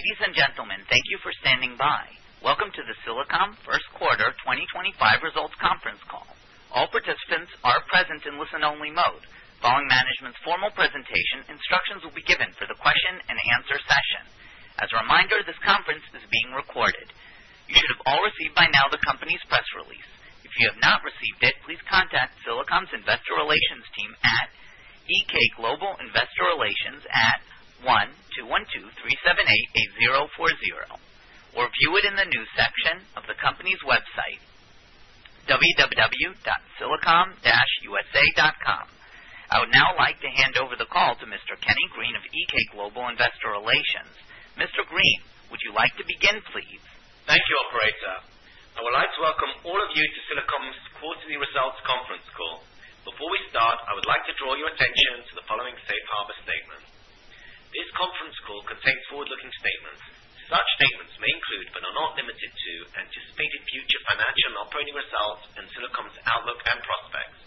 Ladies and gentlemen, thank you for standing by. Welcome to the Silicom First Quarter 2025 Results Conference Call. All participants are present in listen-only mode. Following management's formal presentation, instructions will be given for the question-and-answer session. As a reminder, this conference is being recorded. You should have all received by now the company's press release. If you have not received it, please contact Silicom's Investor Relations team at EK Global Investor Relations at 1-212-378-8040 or view it in the news section of the company's website, www.silicom-usa.com. I would now like to hand over the call to Mr. Kenny Green of EK Global Investor Relations. Mr. Green, would you like to begin, please? Thank you, Operator. I would like to welcome all of you to Silicom's Quarterly Results Conference Call. Before we start, I would like to draw your attention to the following Safe Harbor Statement. This conference call contains forward-looking statements. Such statements may include, but are not limited to, anticipated future financial and operating results and Silicom's outlook and prospects.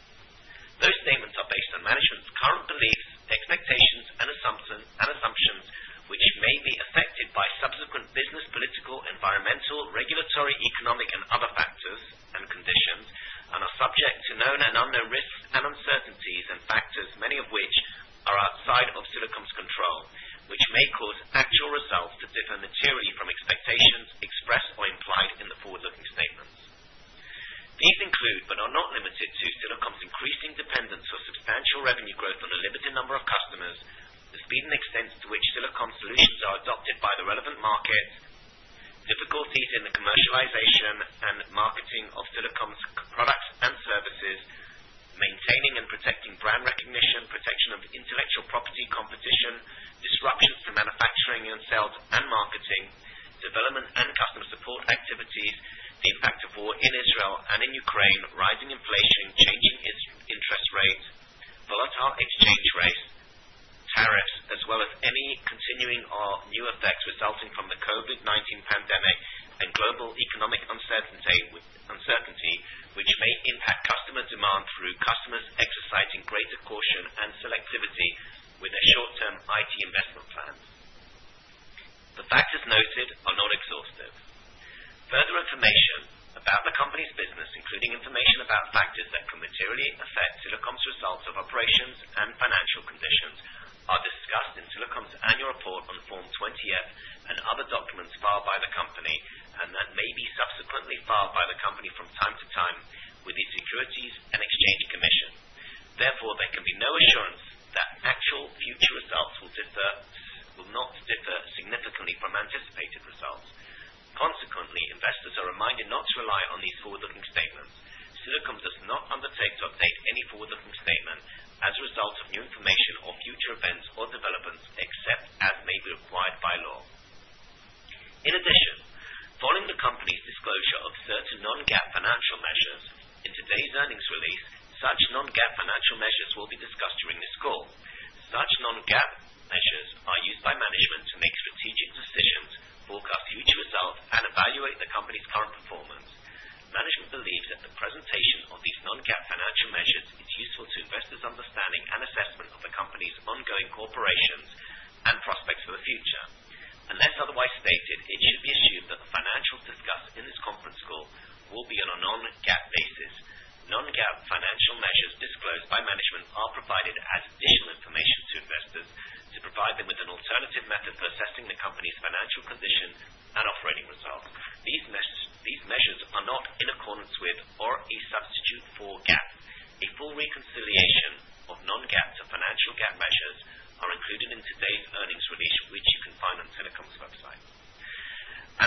Those statements are based on management's current beliefs, expectations, and assumptions, which may be affected by subsequent business, political, environmental, regulatory, economic, and other factors and conditions, and are subject to known and unknown risks and uncertainties and factors, many of which are outside of Silicom's control, which may cause actual results to differ materially from expectations expressed or implied in the forward-looking statements. These include, but are not limited to, Silicom's increasing dependence for substantial revenue growth on a limited number of customers, the speed and extent to which Silicom solutions are adopted by the relevant markets, difficulties in the commercialization and marketing of Silicom's products and services, maintaining and protecting brand recognition, protection of intellectual property competition, disruptions to manufacturing and sales and marketing, development and customer support activities, the impact of war in Israel and in Ukraine, rising inflation, changing interest rates, volatile exchange rates, tariffs, as well as any continuing or new effects resulting from the COVID-19 pandemic and global economic uncertainty, which may impact customer demand through customers exercising greater caution and selectivity with their short-term IT investment plans. The factors noted are not exhaustive. Further information about the company's business, including information about factors that can materially affect Silicom's results of operations and financial conditions, are discussed in Silicom's annual report on Form 20F and other documents filed by the company, and that may be subsequently filed by the company from time to time with the U.S. Securities and Exchange Commission. Therefore, there can be no assurance that actual future results will not differ significantly from anticipated results. Consequently, investors are reminded not to rely on these forward-looking statements. Silicom does not undertake to update any forward-looking statement as a result of new information or future events or developments except as may be required by law. In addition, following the company's disclosure of certain non-GAAP financial measures, in today's earnings release, such non-GAAP financial measures will be discussed during this call. Such non-GAAP measures are used by management to make strategic decisions, forecast future results, and evaluate the company's current performance. Management believes that the presentation of these non-GAAP financial measures is useful to investors' understanding and assessment of the company's ongoing operations and prospects for the future. Unless otherwise stated, it should be assumed that the financials discussed in this conference call will be on a non-GAAP basis. Non-GAAP financial measures disclosed by management are provided as additional information to investors to provide them with an alternative method for assessing the company's financial condition and operating results. These measures are not in accordance with or a substitute for GAAP. A full reconciliation of non-GAAP to financial GAAP measures is included in today's earnings release, which you can find on Silicom's website.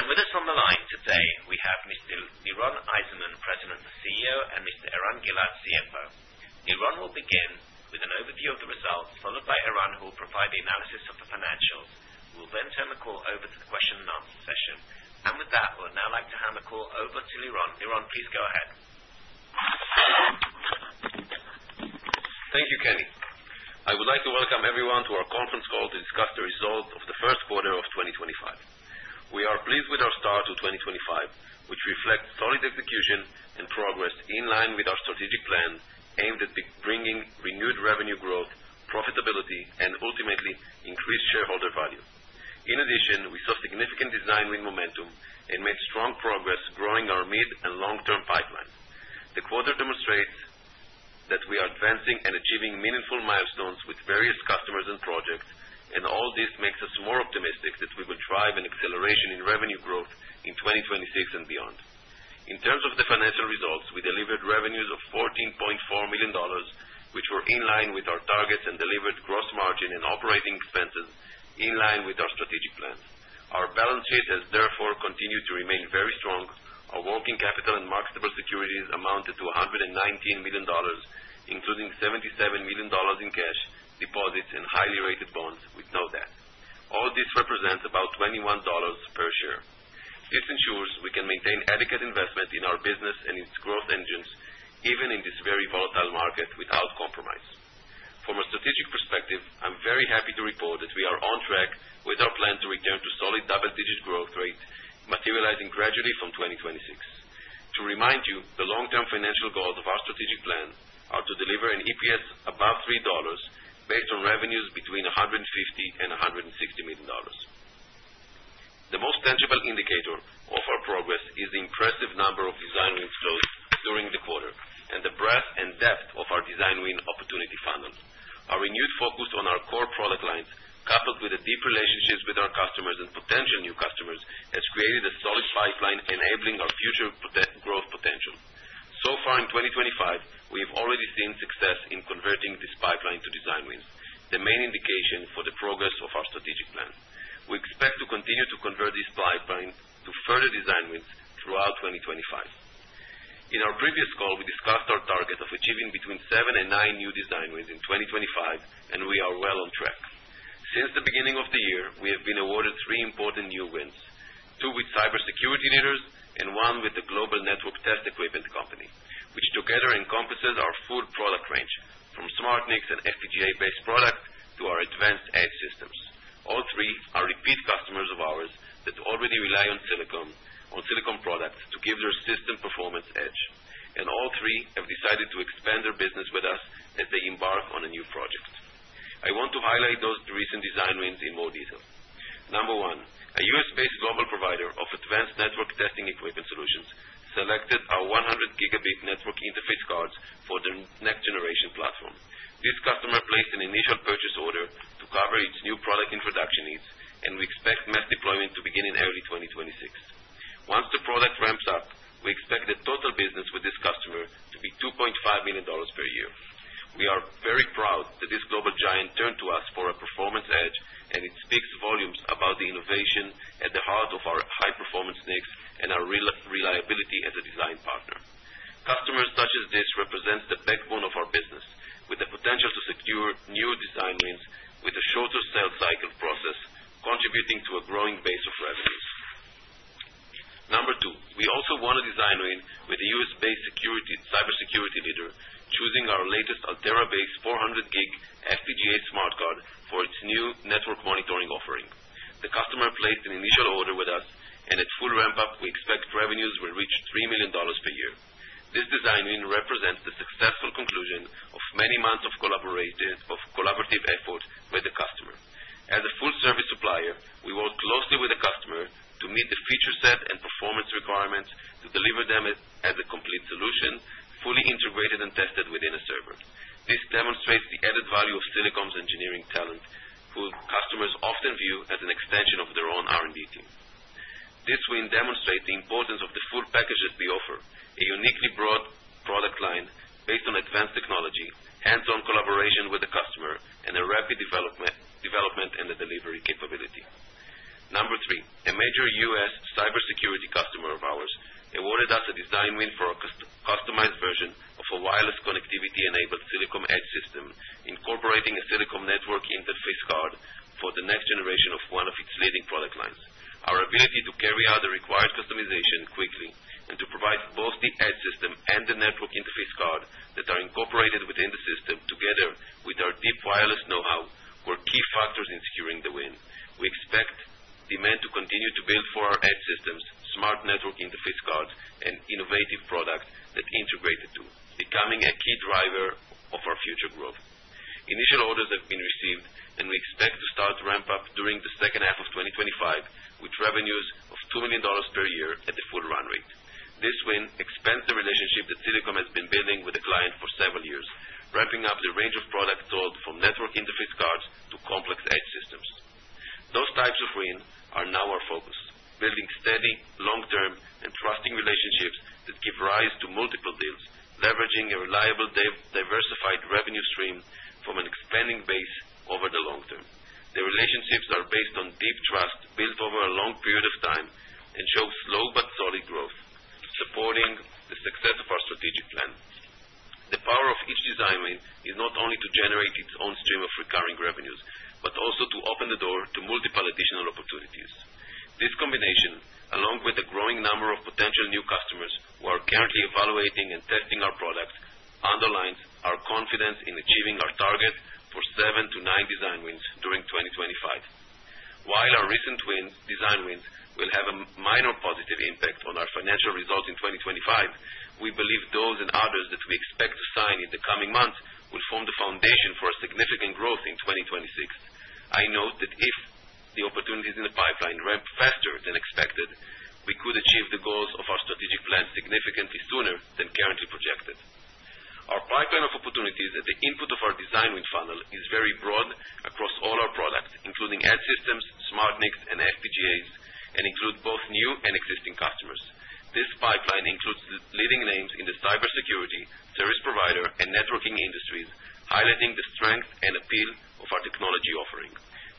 With us on the line today, we have Mr. Liron Eizenman, President and CEO, and Mr. Eran Gilad, CFO. Liron will begin with an overview of the results, followed by Eran, who will provide the analysis of the financials. We will then turn the call over to the question and answer session. With that, I would now like to hand the call over to Liron. Liron, please go ahead. Thank you, Kenny. I would like to welcome everyone to our conference call to discuss the results of the first quarter of 2025. We are pleased with our start to 2025, which reflects solid execution and progress in line with our strategic plan aimed at bringing renewed revenue growth, profitability, and ultimately increased shareholder value. In addition, we saw significant design win momentum and made strong progress growing our mid and long-term pipeline. The quarter demonstrates that we are advancing and achieving meaningful milestones with various customers and projects, and all this makes us more optimistic that we will drive an acceleration in revenue growth in 2026 and beyond. In terms of the financial results, we delivered revenues of $14.4 million, which were in line with our targets and delivered gross margin and operating expenses in line with our strategic plans. Our balance sheet has therefore continued to remain very strong. Our working capital and marketable securities amounted to $119 million, including $77 million in cash deposits and highly rated bonds with no debt. All this represents about $21 per share. This ensures we can maintain adequate investment in our business and its growth engines, even in this very volatile market, without compromise. From a strategic perspective, I'm very happy to report that we are on track with our plan to return to solid double-digit growth rates, materializing gradually from 2026. To remind you, the long-term financial goals of our strategic plan are to deliver an EPS above $3 based on revenues between $150 and $160 million. The most tangible indicator of our progress is the impressive number of design wins told during the quarter and the breadth and depth of our design win opportunity funnel. Our renewed focus on our core product lines, coupled with the deep relationships with our customers and potential new customers, has created a solid pipeline enabling our future growth potential. So far in 2025, we have already seen success in converting this pipeline to design wins, the main indication for the progress of our strategic plan. We expect to continue to convert this pipeline to further design wins throughout 2025. In our previous call, we discussed our target of achieving between seven and nine new design wins in 2025, and we are well on track. Since the beginning of the year, we have been awarded three important new wins, two with cybersecurity leaders and one with the Global Network Test Equipment Company, which together encompasses our full product range, from Smart NICs and FPGA-based products to our advanced Edge systems. All three are repeat customers of ours that already rely on Silicom products to give their system performance edge, and all three have decided to expand their business with us as they embark on a new project. I want to highlight those recent design wins in more detail. Number one, a U.S.-based global provider of advanced network testing equipment solutions selected our 100-Gigabit Network Interface Cards for the next-generation platform. This customer placed an initial purchase order to cover its new product introduction needs, and we expect mass deployment to begin in early 2026. Once the product ramps up, we expect the total business with this customer to be $2.5 million per year. We are very proud that this global giant turned to us for a performance edge, and it speaks volumes about the innovation at the heart of our high-performance needs and our reliability as a design partner. Customers such as this represent the backbone of our business, with the potential to secure new design wins with a shorter sales cycle process, contributing to a growing base of revenues. Number two, we also won a design win with a U.S.-based cybersecurity leader, choosing our latest Altera-based 400-gig FPGA Smart Card for its new network monitoring offering. The customer placed an initial order with us, and at full ramp-up, we expect revenues will reach $3 million per year. This design win represents the successful conclusion of many months of collaborative effort with the customer. As a full-service supplier, we work closely with the customer to meet the feature set and performance requirements to deliver them as a complete solution, fully integrated and tested within a server. This demonstrates the added value of Silicom's engineering talent, whom customers often view as an extension of their own R&D team. This win demonstrates the importance of the full package that we offer, a uniquely broad product line based on advanced technology, hands-on collaboration with the customer, and a rapid development and delivery capability. Number three, a major US cybersecurity customer of ours awarded us a design win for a customized version of a wireless connectivity-enabled Silicom Edge system, incorporating a Silicom network interface card for the next generation of one of its leading product lines. Our ability to carry out the required customization quickly and to provide both the edge system and the network interface card that are incorporated within the system, together with our deep wireless know-how, were key factors in securing the win. We expect demand to continue to build for our edge systems, smart network interface cards, and innovative products that integrate it too, becoming a key driver of our future growth. Initial orders have been received, and we expect to start ramp-up during the second half of 2025, with revenues of $2 million per year at the full run rate. This win expands the relationship that Silicom has been building with the client for several years, ramping up the range of products sold from network interface cards to complex edge systems. Those types of wins are now our focus, building steady, long-term, and trusting relationships that give rise to multiple deals, leveraging a reliable, diversified revenue stream from an expanding base over the long term. The relationships are based on deep trust built over a long period of time and show slow but solid growth, supporting the success of our strategic plan. The power of each design win is not only to generate its own stream of recurring revenues, but also to open the door to multiple additional opportunities. This combination, along with the growing number of potential new customers who are currently evaluating and testing our products, underlines our confidence in achieving our target for seven to nine design wins during 2025. While our recent design wins will have a minor positive impact on our financial results in 2025, we believe those and others that we expect to sign in the coming months will form the foundation for a significant growth in 2026. I note that if the opportunities in the pipeline ramp faster than expected, we could achieve the goals of our strategic plan significantly sooner than currently projected. Our pipeline of opportunities at the input of our design win funnel is very broad across all our products, including Edge systems, Smart NICs, and FPGAs, and includes both new and existing customers. This pipeline includes leading names in the cybersecurity, service provider, and networking industries, highlighting the strength and appeal of our technology offering.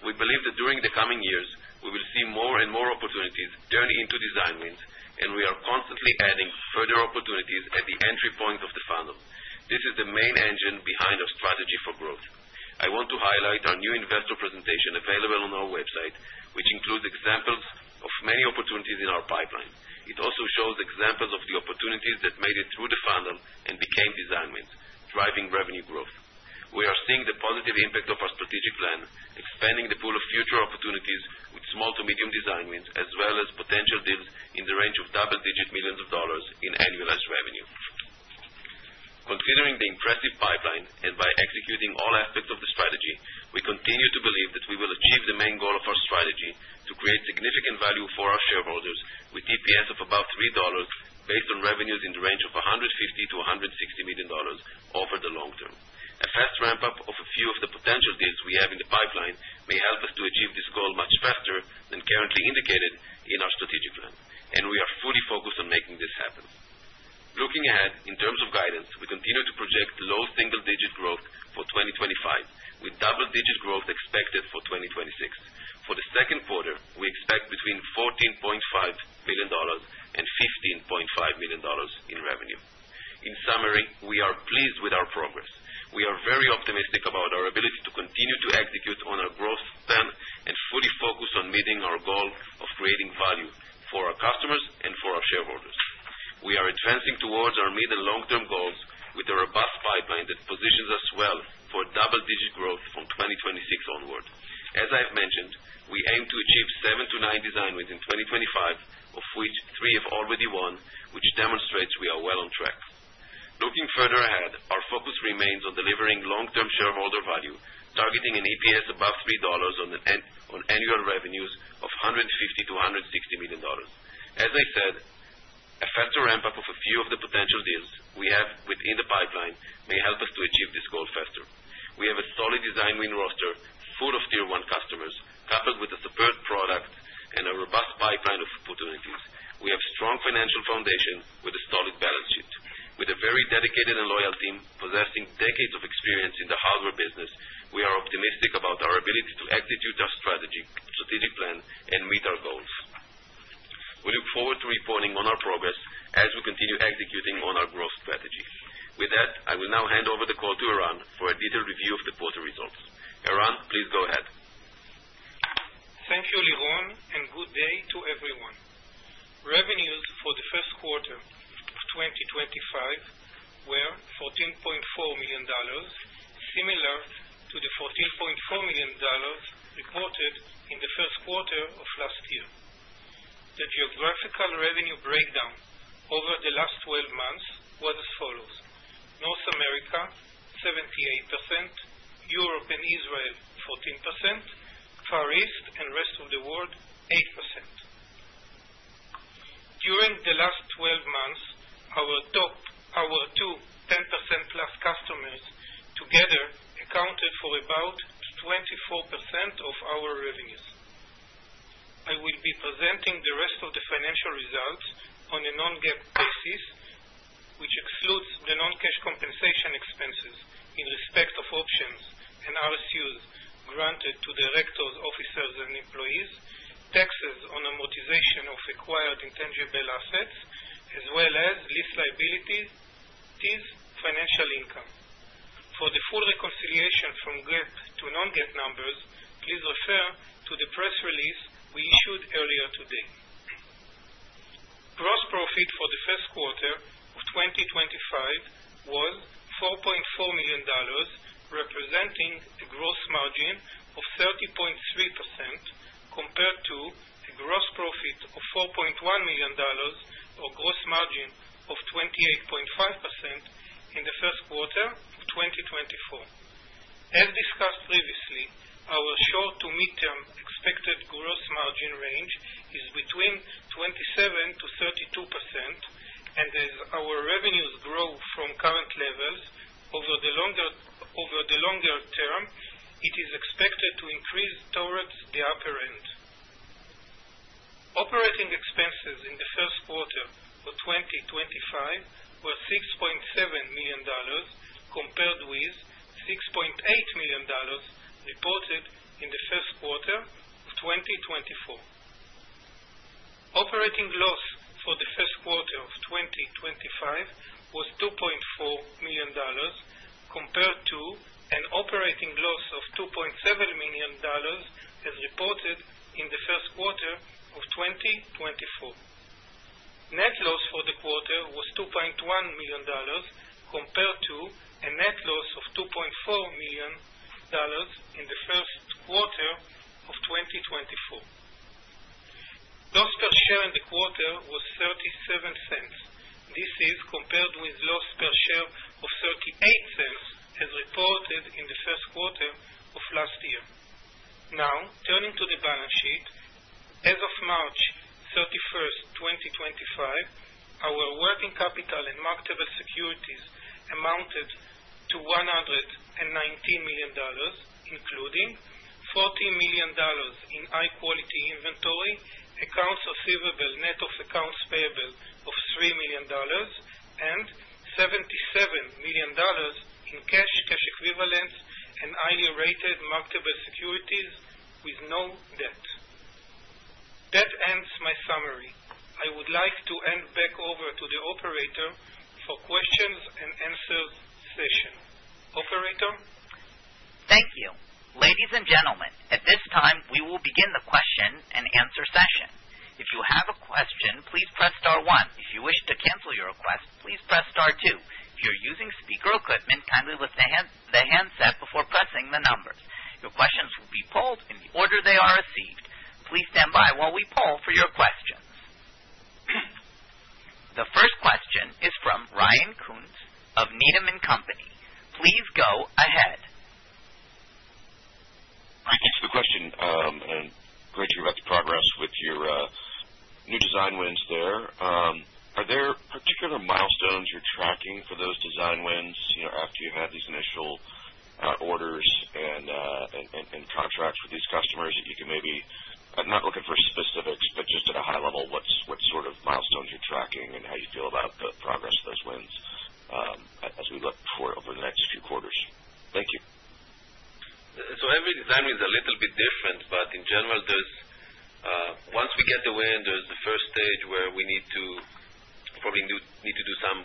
We believe that during the coming years, we will see more and more opportunities turn into design wins, and we are constantly adding further opportunities at the entry point of the funnel. This is the main engine behind our strategy for growth. I want to highlight our new investor presentation available on our website, which includes examples of many opportunities in our pipeline. It also shows examples of the opportunities that made it through the funnel and became design wins, driving revenue growth. We are seeing the positive impact of our strategic plan, expanding the pool of future opportunities with small to medium design wins, as well as potential deals in the range of double-digit millions of dollars in annualized revenue. Considering the impressive pipeline and by executing all aspects of the strategy, we continue to believe that we will achieve the main goal of our strategy to create significant value for our shareholders with EPS of about $3 based on revenues in the range of $150-$160 million over the long term. A fast ramp-up of a few of the potential deals we have in the pipeline may help us to achieve this goal much faster than currently indicated in our strategic plan, and we are fully focused on making this happen. Looking ahead, in terms of guidance, we continue to project low single-digit growth for 2025, with double-digit growth expected for 2026. For the second quarter, we expect between $14.5 million and $15.5 million in revenue. In summary, we are pleased with our progress. We are very optimistic about our ability to continue to execute on our growth plan and fully focus on meeting our goal of creating value for our customers and for our shareholders. We are advancing towards our mid and long-term goals with a robust pipeline that positions us well for double-digit growth from 2026 onward. As I've mentioned, we aim to achieve seven to nine design wins in 2025, of which three have already won, which demonstrates we are well on track. Looking further ahead, our focus remains on delivering long-term shareholder value, targeting an EPS above $3 on annual revenues of $150-$160 million. As I said, a faster ramp-up of a few of the potential deals we have within the pipeline may help us to achieve this goal faster. We have a solid design win roster full of tier-one customers, coupled with a superb product and a robust pipeline of opportunities. We have a strong financial foundation with a solid balance sheet. With a very dedicated and loyal team possessing decades of experience in the hardware business, we are optimistic about our ability to execute our strategic plan and meet our goals. We look forward to reporting on our progress as we continue executing on our growth strategy. With that, I will now hand over the call to Eran for a detailed review of the quarter results. Eran, please go ahead. Thank you, Liron, and good day to everyone. Revenues for the first quarter of 2025 were $14.4 million, similar to the $14.4 million reported in the first quarter of last year. The geographical revenue breakdown over the last 12 months was as follows: North America 78%, Europe and Israel 14%, Far East and rest of the world 8%. During the last 12 months, our two 10% plus customers together accounted for about 24% of our revenues. I will be presenting the rest of the financial results on a non-GAAP basis, which excludes the non-cash compensation expenses in respect of options and RSUs granted to directors, officers, and employees, taxes on amortization of acquired intangible assets, as well as lease liabilities, financial income. For the full reconciliation from GAAP to non-GAAP numbers, please refer to the press release we issued earlier today. Gross profit for the first quarter of 2025 was $4.4 million, representing a gross margin of 30.3% compared to a gross profit of $4.1 million or gross margin of 28.5% in the first quarter of 2024. As discussed previously, our short to mid-term expected gross margin range is between 27%-32%, and as our revenues grow from current levels over the longer term, it is expected to increase towards the upper end. Operating expenses in the first quarter of 2025 were $6.7 million compared with $6.8 million reported in the first quarter of 2024. Operating loss for the first quarter of 2025 was $2.4 million compared to an operating loss of $2.7 million as reported in the first quarter of 2024. Net loss for the quarter was $2.1 million compared to a net loss of $2.4 million in the first quarter of 2024. Loss per share in the quarter was $0.37. This is compared with loss per share of $0.38 as reported in the first quarter of last year. Now, turning to the balance sheet, as of March 31, 2025, our working capital and marketable securities amounted to $119 million, including $40 million in high-quality inventory, accounts receivable, net of accounts payable of $3 million, and $77 million in cash, cash equivalents, and highly rated marketable securities with no debt. That ends my summary. I would like to hand back over to the operator for questions and answers session. Operator. Thank you. Ladies and gentlemen, at this time, we will begin the question and answer session. If you have a question, please press star one. If you wish to cancel your request, please press star two. If you're using speaker equipment, kindly lift the handset before pressing the numbers. Your questions will be polled in the order they are received. Please stand by while we poll for your questions. The first question is from Ryan Koontz of Needham & Company. Please go ahead. Thank you for the question. Great to hear about the progress with your new design wins there. Are there particular milestones you're tracking for those design wins after you've had these initial orders and contracts with these customers that you can maybe—I am not looking for specifics, but just at a high level, what sort of milestones you're tracking and how you feel about the progress of those wins as we look forward over the next few quarters? Thank you. Every design win is a little bit different, but in general, once we get the win, there's the first stage where we probably need to do some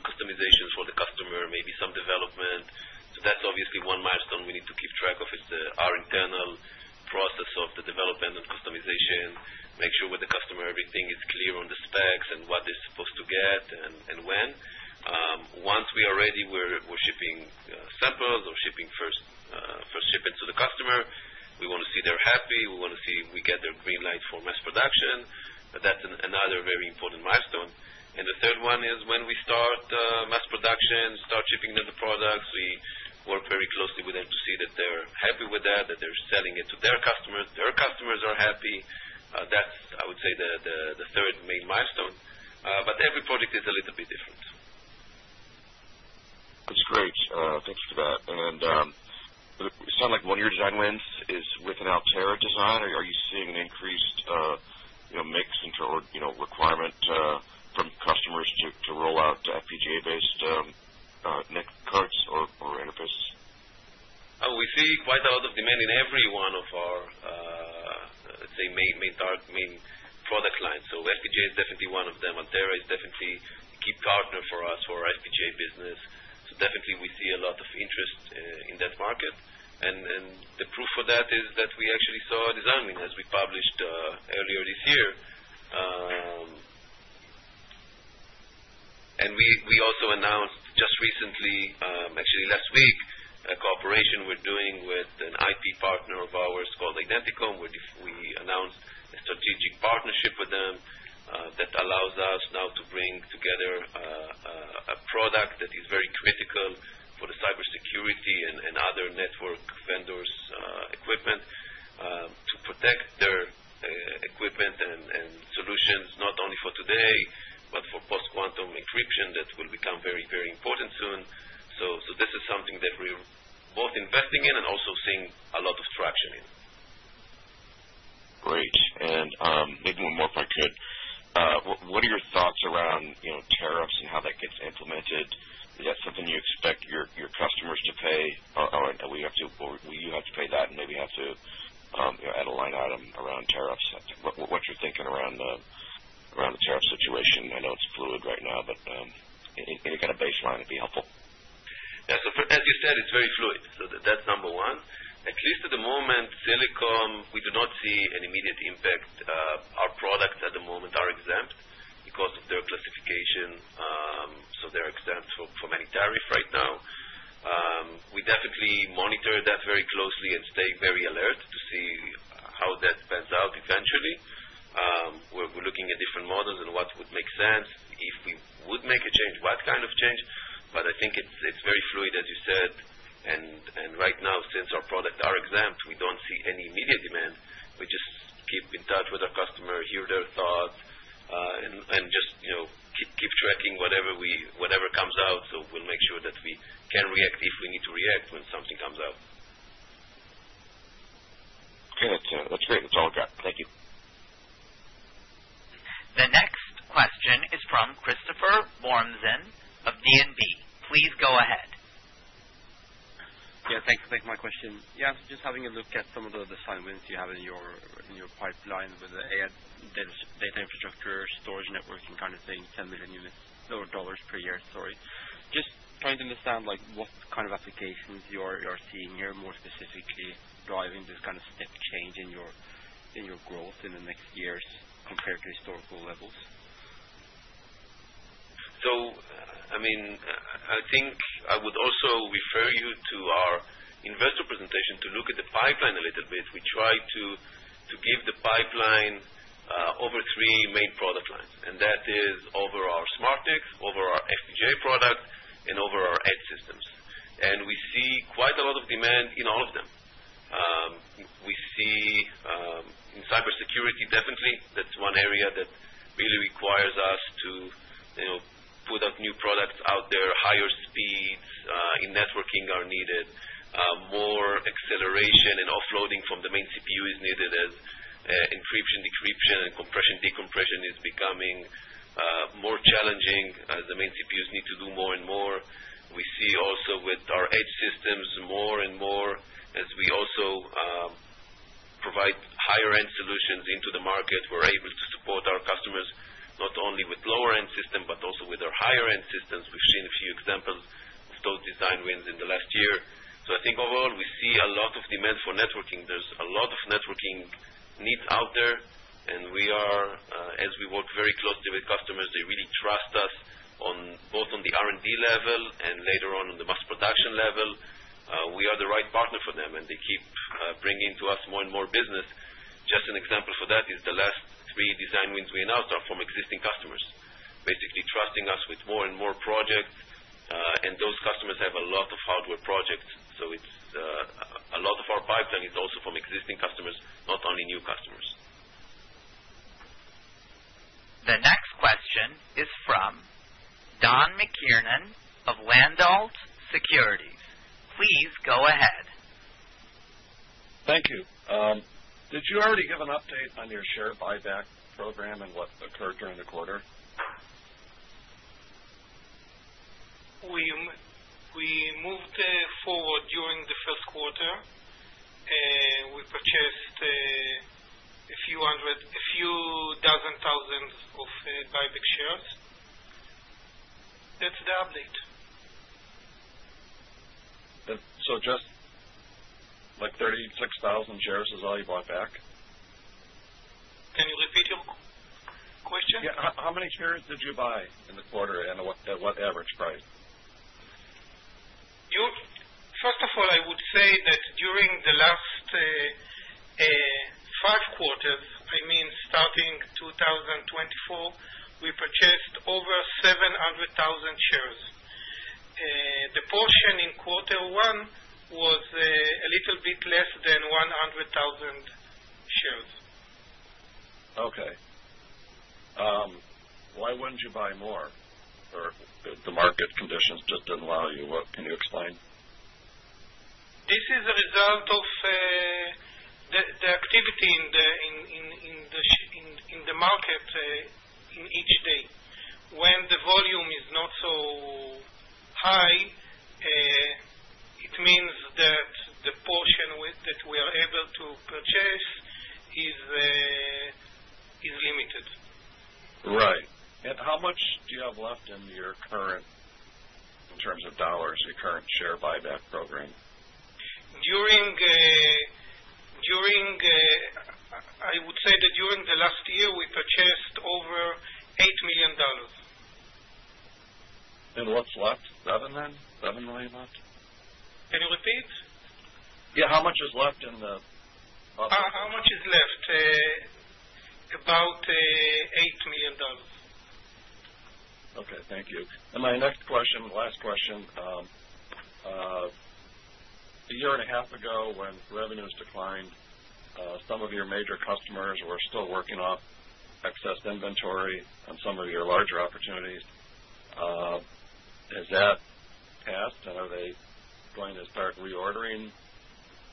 We also announced just recently, actually last week, a cooperation we're doing with an IP partner of ours called Identicom. We announced a strategic partnership with them that allows us now to bring together a product that is very critical for the cybersecurity and other network vendors' equipment to protect their equipment and solutions, not only for today, but for post-quantum encryption that will become very, very important soon. This is something that we're both investing in and also seeing a lot of traction in. Great. Maybe one more if I could. What are your thoughts around tariffs and how that gets implemented? Is that something you expect your customers to pay or will you have to pay that and maybe have to add a line item around tariffs? What's your thinking around the tariff situation? I know it's fluid right now, but any kind of baseline would be helpful. Yeah. As you said, it's very fluid. That's number one. At least at the moment, Silicom, we do not see an immediate impact. Our products at the moment are exempt because of their classification. They're exempt from any tariff right now. We definitely monitor that very closely and stay very alert to see how that pans out eventually. We're looking at different models and what would make sense if we would make a change, what kind of change. I think it's very fluid, as you said. Right now, since our products are exempt, we don't see any immediate demand. We just keep in touch with our customer, hear their thoughts, and just keep tracking whatever comes out. We'll make sure that we can react if we need to react when something comes out. Gotcha. That's great. That's all we've got. Thank you. The next question is from Christopher Wormsen of DNB. Please go ahead. Yeah. Thanks for my question. Yeah. Just having a look at some of the design wins you have in your pipeline with the data infrastructure, storage networking kind of thing, $10 million per year. Sorry. Just trying to understand what kind of applications you are seeing here more specifically driving this kind of step change in your growth in the next years compared to historical levels. I mean, I think I would also refer you to our investor presentation to look at the pipeline a little bit. We try to give the pipeline over three main product lines. That is over our Smart NICs, over our FPGA products, and over our Edge systems. We see quite a lot of demand in all of them. We see in cybersecurity, definitely, that is one area that really requires us to put out new products out there. Higher speeds in networking are needed. More acceleration and offloading from the main CPU is needed as encryption, decryption, and compression, decompression is becoming more challenging as the main CPUs need to do more and more. We see also with our Edge systems more and more as we also provide higher-end solutions into the market. We're able to support our customers not only with lower-end systems but also with our higher-end systems. We've seen a few examples of those design wins in the last year. I think overall, we see a lot of demand for networking. There's a lot of networking needs out there. As we work very closely with customers, they really trust us both on the R&D level and later on on the mass production level. We are the right partner for them, and they keep bringing to us more and more business. Just an example for that is the last three design wins we announced are from existing customers, basically trusting us with more and more projects. Those customers have a lot of hardware projects. A lot of our pipeline is also from existing customers, not only new customers. The next question is from Donald McKiernan of Landolt Securities. Please go ahead. Thank you. Did you already give an update on your share buyback program and what occurred during the quarter? We moved forward during the first quarter. We purchased a few dozen thousand of buyback shares. That's the update. Just like 36,000 shares is all you bought back? Can you repeat your question? Yeah. How many shares did you buy in the quarter and at what average price? First of all, I would say that during the last five quarters, I mean, starting 2024, we purchased over 700,000 shares. The portion in quarter one was a little bit less than 100,000 shares. Okay. Why wouldn't you buy more? Or the market conditions just didn't allow you? Can you explain? This is a result of the activity in the market in each day. When the volume is not so high, it means that the portion that we are able to purchase is limited. Right. How much do you have left in your current, in terms of dollars, your current share buyback program? I would say that during the last year, we purchased over $8 million. What is left? $7 million left? Can you repeat? Yeah. How much is left in the? How much is left? About $8 million. Okay. Thank you. My next question, last question. A year and a half ago, when revenues declined, some of your major customers were still working off excess inventory on some of your larger opportunities. Has that passed? Are they going to start reordering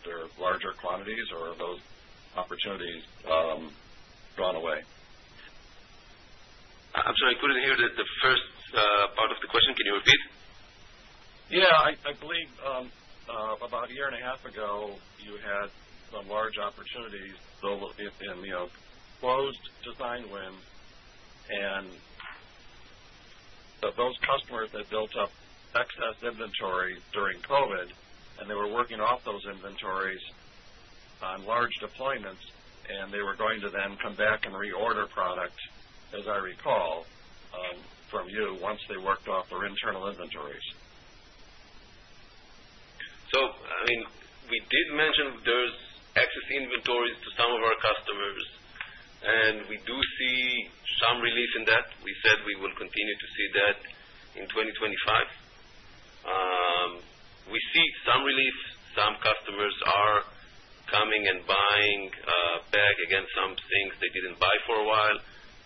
their larger quantities, or are those opportunities gone away? I'm sorry. Couldn't hear the first part of the question. Can you repeat? Yeah. I believe about a year and a half ago, you had some large opportunities. In closed design wins, and those customers had built up excess inventory during COVID, and they were working off those inventories on large deployments, and they were going to then come back and reorder products, as I recall from you, once they worked off their internal inventories. I mean, we did mention there's excess inventories to some of our customers, and we do see some relief in that. We said we will continue to see that in 2025. We see some relief. Some customers are coming and buying back again some things they didn't buy for a while.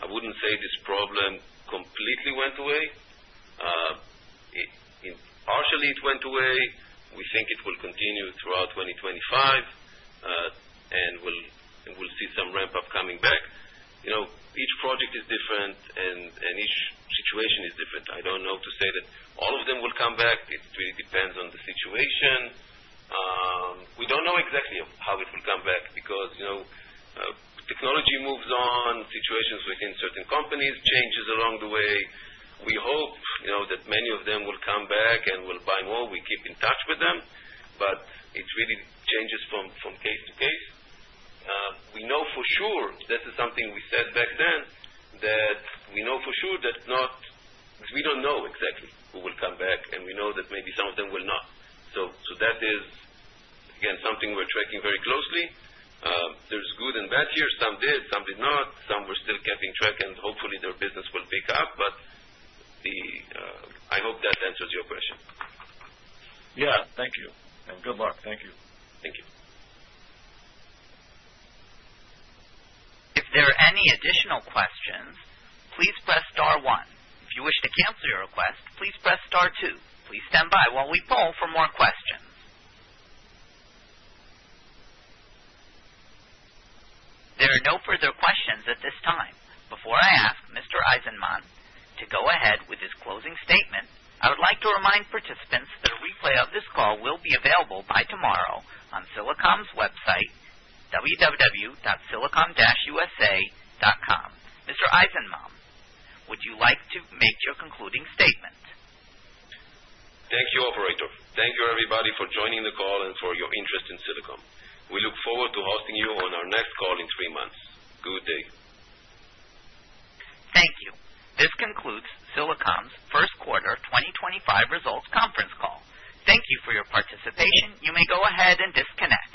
I wouldn't say this problem completely went away. Partially, it went away. We think it will continue throughout 2025, and we'll see some ramp-up coming back. Each project is different, and each situation is different. I don't know to say that all of them will come back. It really depends on the situation. We don't know exactly how it will come back because technology moves on, situations within certain companies change along the way. We hope that many of them will come back and will buy more. We keep in touch with them, but it really changes from case to case. We know for sure—this is something we said back then—that we know for sure that we do not know exactly who will come back, and we know that maybe some of them will not. That is, again, something we're tracking very closely. There's good and bad here. Some did, some did not. Some we're still keeping track, and hopefully, their business will pick up. I hope that answers your question. Yeah. Thank you. And good luck. Thank you. Thank you. If there are any additional questions, please press star one. If you wish to cancel your request, please press star two. Please stand by while we poll for more questions. There are no further questions at this time. Before I ask Mr. Eizenman to go ahead with his closing statement, I would like to remind participants that a replay of this call will be available by tomorrow on Silicom's website, www.silicom-usa.com. Mr. Eizenman, would you like to make your concluding statement? Thank you, Operator. Thank you, everybody, for joining the call and for your interest in Silicom. We look forward to hosting you on our next call in three months. Good day. Thank you. This concludes Silicom's first quarter 2025 results conference call. Thank you for your participation. You may go ahead and disconnect.